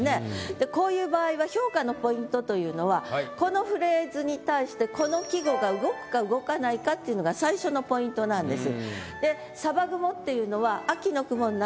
でこういう場合は評価のポイントというのはこのフレーズに対してこのっていうのが最初のポイントなんです。